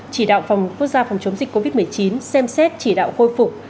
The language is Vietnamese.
chỉ đạo phòng quốc gia phòng chống dịch covid một mươi chín xem xét chỉ đạo khôi phục